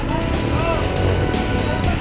gua mau ke sana